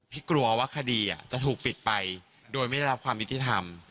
กลัวว่าคดีจะถูกปิดไปโดยไม่ได้รับความยุติธรรม